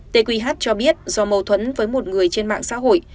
tê quỳ hát cho biết do mâu thuẫn với một người trên mạng xã hội